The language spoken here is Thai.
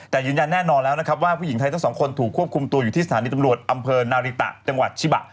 แต่ยืนยันแน่นอนแล้วนะครับว่าผู้หญิงไทยทั้งสองคนถูกควบคุมตัวอยู่ที่สถานีตำรวจอำเภอนาริตะจังหวัดชิบะ